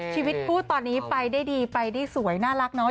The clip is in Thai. ชีวิตคู่ตอนนี้ไปได้ดีไปได้สวยน่ารักเนาะ